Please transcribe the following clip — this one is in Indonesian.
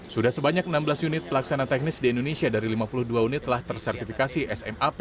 sudah sebanyak enam belas unit pelaksana teknis di indonesia dari lima puluh dua unit telah tersertifikasi smap